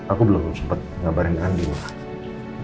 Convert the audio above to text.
aku belum sempet ngabarin ke andi mak